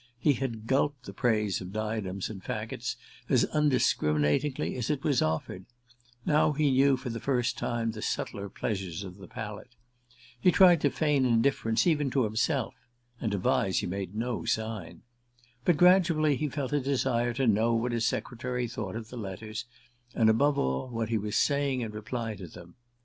He had gulped the praise of "Diadems and Faggots" as undiscriminatingly as it was offered; now he knew for the first time the subtler pleasures of the palate. He tried to feign indifference, even to himself; and to Vyse he made no sign. But gradually he felt a desire to know what his secretary thought of the letters, and, above all, what he was saying in reply to them.